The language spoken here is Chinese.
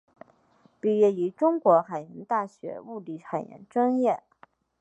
毕业于中国海洋大学物理海洋专业。